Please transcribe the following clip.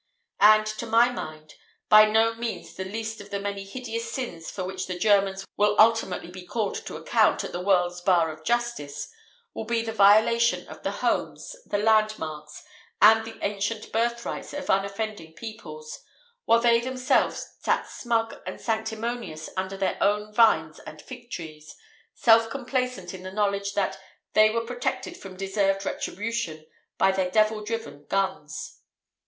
And to my mind, by no means the least of the many hideous sins for which the Germans will ultimately be called to account at the world's Bar of Justice, will be the violation of the homes, the landmarks, and the ancient birthrights of unoffending peoples, while they themselves sat smug and sanctimonious under their own vines and fig trees, self complacent in the knowledge that they were protected from deserved retribution by their devil driven guns.